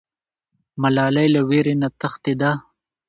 ملالۍ له ویرې نه تښتېده.